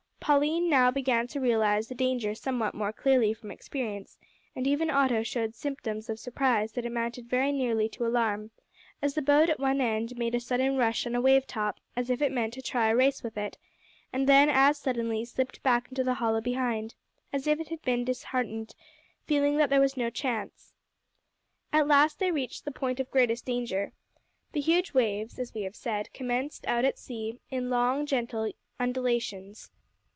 Pauline now began to realise the danger somewhat more clearly from experience, and even Otto showed symptoms of surprise that amounted very nearly to alarm, as the boat at one point made a sudden rush on a wave top as if it meant to try a race with it, and then as suddenly slipped back into the hollow behind, as if it had been disheartened, feeling that there was no chance. At last they reached the point of greatest danger. The huge waves, as we have said, commenced out at sea in long, gentle undulations.